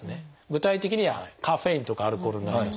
具体的にはカフェインとかアルコールになります。